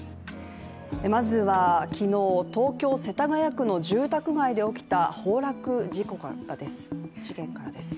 まずは昨日、東京・世田谷区の住宅街で起きた崩落事件からです。